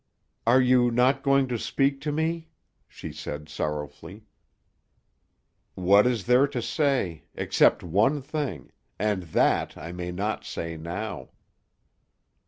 "Are you not going to speak to me?" she said sorrowfully. "What is there to say, except one thing—and that I may not say now."